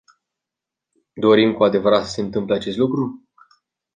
Dorim cu adevărat să se întâmple acest lucru?